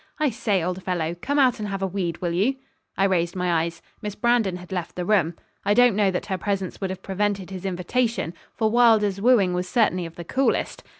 I say, old fellow, come out and have a weed, will you?' I raised my eyes. Miss Brandon had left the room. I don't know that her presence would have prevented his invitation, for Wylder's wooing was certainly of the coolest.